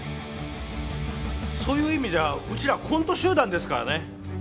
そういう意味じゃうちらコント集団ですからね。